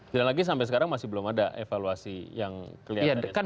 dan lagi sampai sekarang masih belum ada evaluasi yang kelihatan